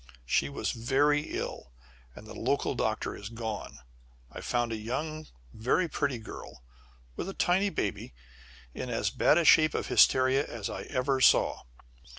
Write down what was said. She was very ill, and the local doctor is gone. I found a young, very pretty girl, with a tiny baby, in as bad a state of hysteria as I ever saw.